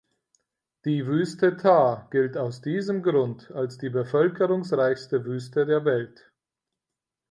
Die Wüste Thar gilt aus diesem Grund als die bevölkerungsreichste Wüste der Welt.